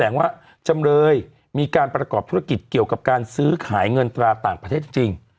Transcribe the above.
ว่าจำเลยมีการประกอบธุรกิจเกี่ยวกับการซื้อขายเงินตราต่างประเทศจริง